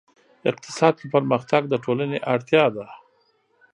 اقتصاد کې پرمختګ د ټولنې اړتیا ده.